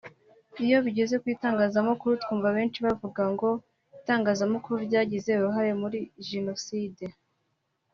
Iyo bigeze ku itangazamakuru twumva benshi bavuga ngo itangazamakuru ryagize uruhare muri Jenoside